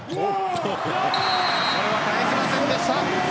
これは返せませんでした。